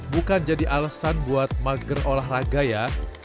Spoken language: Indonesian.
bukan jadi alasan buat mager olahraga ya